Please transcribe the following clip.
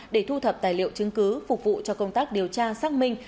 để thu thập tài liệu chứng cứ phục vụ cho công tác điều tra xác minh